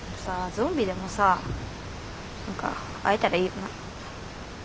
ゾンビでもさ何か会えたらいいよな？